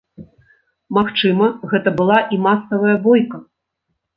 Магчыма, гэта была і масавая бойка.